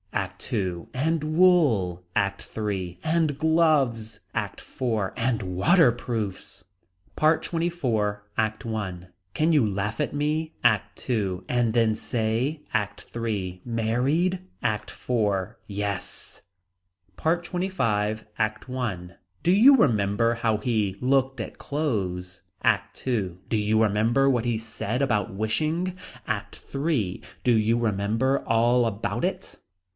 ACT II. And wool. ACT III. And gloves. ACT IV. And waterproofs. PART XXIV. ACT I. Can you laugh at me. ACT II. And then say. ACT III. Married. ACT IV. Yes. PART XXV. ACT I. Do you remember how he looked at clothes. ACT II. Do you remember what he said about wishing. ACT III. Do you remember all about it.